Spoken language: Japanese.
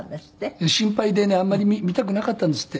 心配でねあんまり見たくなかったんですって。